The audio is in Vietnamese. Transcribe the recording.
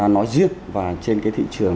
nói riêng và trên cái thị trường